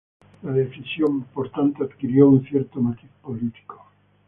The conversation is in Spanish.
La decisión, por tanto, adquirió un cierto matiz político.